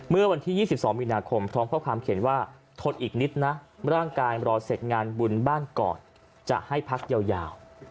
เมื่อวันที่๒๒มีนาคมพร้อมข้อความเขียนว่าทนอีกนิดนะร่างกายรอเสร็จงานบุญบ้านก่อนจะให้พักยาว